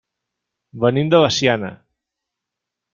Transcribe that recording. Venim de Veciana.